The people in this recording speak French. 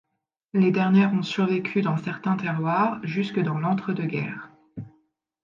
Les dernières ont survécu dans certains terroirs jusque dans l'entre-deux-guerres.